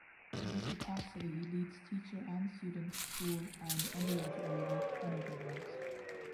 In this capacity he leads teacher and student (school and undergraduate level) training programmes.